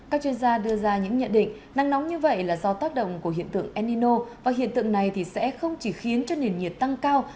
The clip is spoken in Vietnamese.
các chuyên gia đưa ra những nhận định nắng nóng như vậy là do tác động của hiện tượng enino và hiện tượng này sẽ không chỉ khiến cho nền nhiệt tăng cao